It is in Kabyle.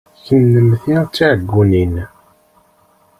Kennemti d tiɛeggunin!